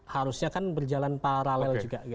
harusnya kan berjalan paralel juga